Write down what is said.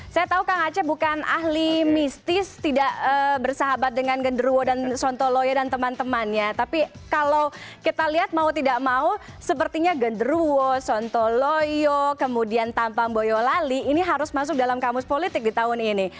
saya tahu kang aceh bukan ahli mistis tidak bersahabat dengan genderuwo dan sontoloyo dan teman temannya tapi kalau kita lihat mau tidak mau sepertinya genderuwo sontoloyo kemudian tampang boyolali ini harus masuk dalam kamus politik di tahun ini